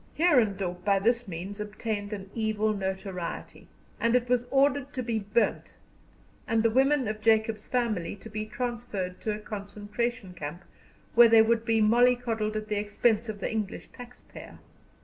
Heerendorp by this means obtained an evil notoriety, and it was ordered to be burnt, and the women of Jacob's family to be transferred to a concentration camp where they would be mollycoddled at the expense of the English taxpayer.